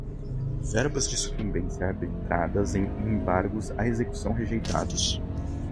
verbas de sucumbência arbitradas em embargos à execução rejeitados